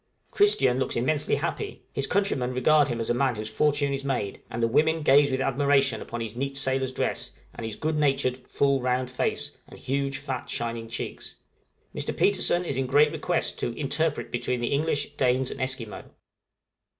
Christian looks immensely happy: his countrymen regard him as a man whose fortune is made, and the women gaze with admiration upon his neat sailor's dress, and his good natured, full, round face, and huge, fat, shining cheeks; Mr. Petersen is in great request to interpret between the English, Danes, and Esquimaux.